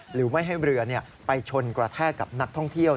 หรือไม่ให้เรือไปชนกระแทกกับนักท่องเที่ยว